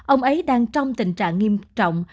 ông ấy đang trong tình trạng nghiêm trọng